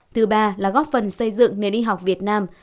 thứ ba là góp phần xây dựng nền y học việt nam